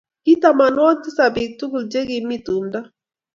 Ki tamanwogik tisap piik tugul che kimi tumndo.